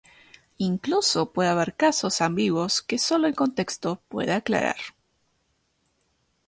Incluso puede haber casos ambiguos que solo el contexto puede aclarar.